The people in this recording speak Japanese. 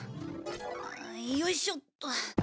よいしょっと。